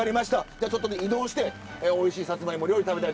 じゃあちょっとね移動しておいしいさつまいも料理食べたいと思います。